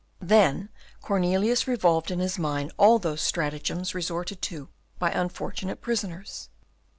Then Cornelius revolved in his mind all those stratagems resorted to by unfortunate prisoners.